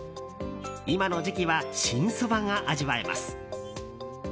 今の時期は新そばが味わえます。